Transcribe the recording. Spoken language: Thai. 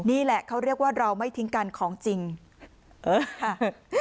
นี่แหละเขาเรียกว่าเราไม่ทิ้งกันของจริงเออ